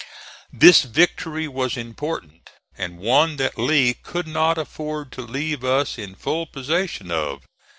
This victory was important, and one that Lee could not afford to leave us in full possession of.